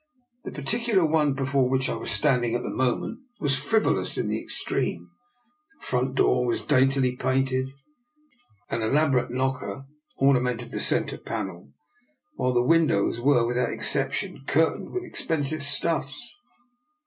The particular one before which I was standing at the moment was frivolous in the extreme: the front door was daintily painted, an elaborate knocker or namented the centre panel, while the windows were without exception curtained with ex pensive stuffs.